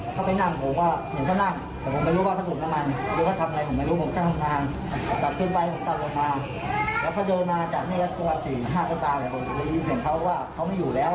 ถูกไฟลุกขึ้นคือก็ตัวค่ะ